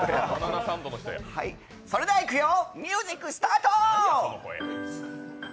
それではいくよ、ミュージック、スタート。